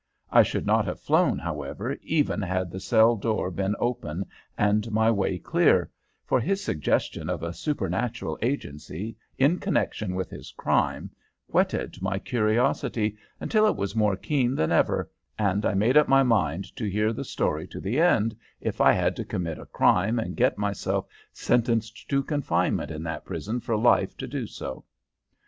I should not have flown, however, even had the cell door been open and my way clear, for his suggestion of a supernatural agency in connection with his crime whetted my curiosity until it was more keen than ever, and I made up my mind to hear the story to the end, if I had to commit a crime and get myself sentenced to confinement in that prison for life to do so.